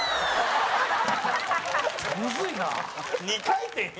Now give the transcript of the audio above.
「２回転」